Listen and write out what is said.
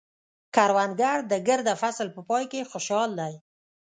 کروندګر د ګرده فصل په پای کې خوشحال دی